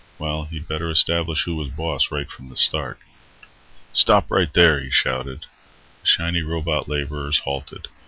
Well, he'd better establish who was boss right from the start. "Stop right there!" he shouted. The shiny robot laborers halted.